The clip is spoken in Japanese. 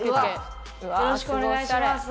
よろしくお願いします